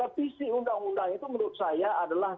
revisi undang undang itu menurut saya adalah sebuah kenisjayaan